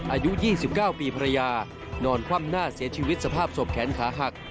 อายุ๒๙ปีภรรยานอนคว่ำหน้าเสียชีวิตสภาพศพแขนขาหัก